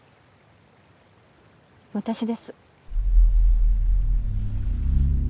私です。